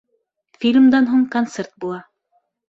Фильмдан һуң концерт була